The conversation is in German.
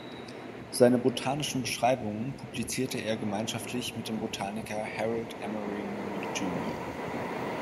Seine botanischen Beschreibungen publizierte er gemeinschaftlich mit dem Botaniker Harold Emery Moore jr.